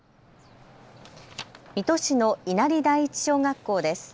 水戸市の稲荷第一小学校です。